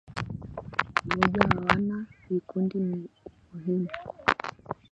umoja wa wana vikundi ni muhimu